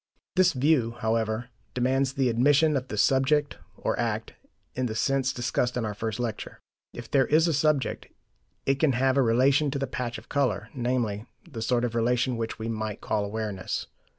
This view, however, demands the admission of the subject, or act, in the sense discussed in our first lecture. If there is a subject, it can have a relation to the patch of colour, namely, the sort of relation which we might call awareness.